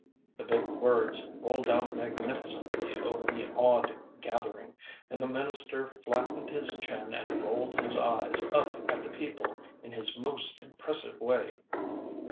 The big words rolled out magnificently over the awed gathering, and the minister flattened his chin and rolled his eyes up at the people in his most impressive way.